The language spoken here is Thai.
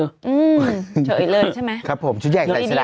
อืมเฉยเลยใช่ไหม